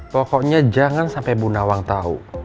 pokoknya jangan sampai bu nawang tahu